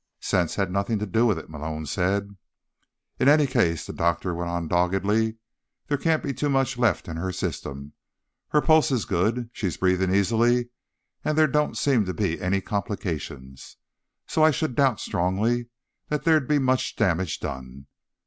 "Sense had nothing to do with it," Malone said. "In any case," the doctor went on doggedly, "there can't be too much left in her system. Her pulse is good, she's breathing easily and there don't seem to be any complications, so I should doubt strongly that there's been much damage done.